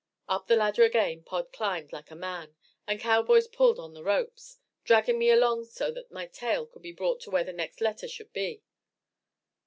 Up the ladder again Pod climbed like a man, the cowboys pulled on the ropes, dragging me along so that my tail could be brought to where the next letter should be.